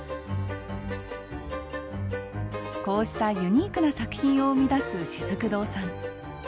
こうしたユニークな作品を生み出すしずく堂さん。